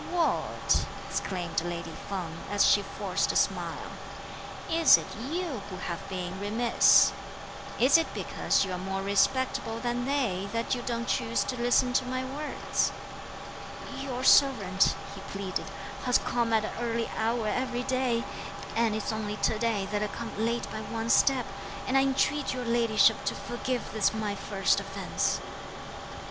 "What!" exclaimed lady Feng, as she forced a smile, "is it you who have been remiss? Is it because you're more respectable than they that you don't choose to listen to my words?" "Your servant," he pleaded, "has come at an early hour every day; and it's only to day that I come late by one step; and I entreat your ladyship to forgive this my first offence."